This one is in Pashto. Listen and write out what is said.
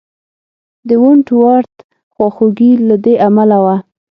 د ونټ ورت خواخوږي له دې امله وه.